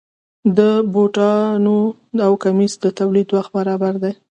د بوټانو او کمیس د تولید وخت برابر دی.